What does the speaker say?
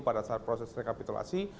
pada saat proses rekapitulasi